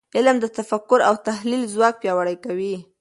علم د تفکر او تحلیل ځواک پیاوړی کوي .